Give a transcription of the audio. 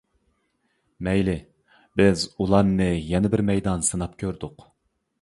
مەيلى، بىز ئۇلارنىڭ يەنە بىر مەيدان سىناپ كۆردۇق.